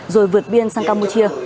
rồi vượt biên sang campuchia